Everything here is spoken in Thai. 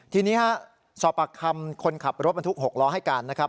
ทีนี้ฮะสอบปากคำคนขับรถบรรทุก๖ล้อให้การนะครับ